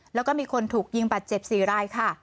แล้วก็มีคนถูกยิงบาดเจ็บ๔รายค่ะ